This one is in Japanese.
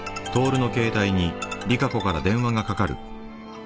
あっ。